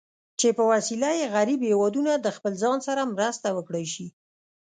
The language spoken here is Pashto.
چې په وسیله یې غریب هېوادونه د خپل ځان سره مرسته وکړای شي.